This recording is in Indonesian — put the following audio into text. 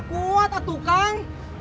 kuat ah tukang